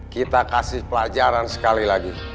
kita kasih pelajaran sekali lagi